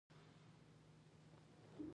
تاسي د اور نه ځان وساتئ